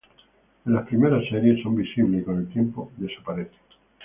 En las primeras series son visibles y con el tiempo desaparecen.